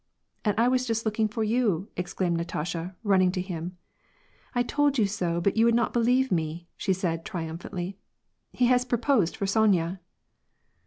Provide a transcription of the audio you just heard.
" And I was just looking for you." exclaimed Natasha, run ning to him. " I told you so, but you would not believe me," said she, triumphantly. " He has proposed for Sonya."